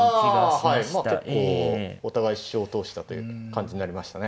ああはい結構お互い主張を通したという感じになりましたね